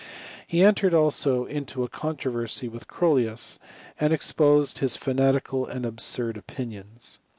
He entered also into a controversy with CroUius, and exposed his fanatical and absurd opinions.